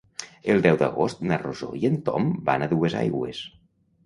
El deu d'agost na Rosó i en Tom van a Duesaigües.